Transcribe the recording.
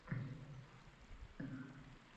Men xudbin ota edim